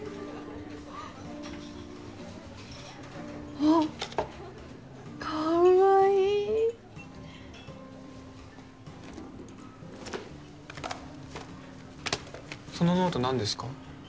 あっかわいいそのノート何ですか？